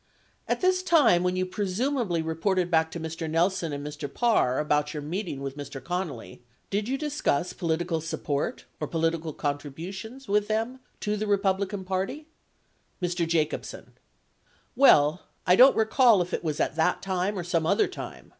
At this time when you presumably reported back to Mr. Nelson and Mr. Parr about your meeting with Mr. Connally, did you discuss political support or political con tributions with them to the Republican Party ? Mr. Jacobsen. Well, I don't recall if it was at that time or some other time.